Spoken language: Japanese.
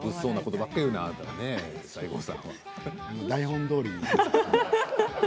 台本どおりに。